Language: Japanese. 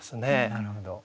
なるほど。